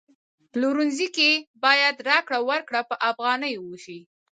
پلورنځي کی باید راکړه ورکړه په افغانیو وشي